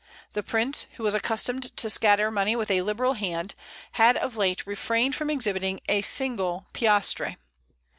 The prince, who was accustomed to scatter money with a liberal hand, had of late refrained from exhibiting a single piastre.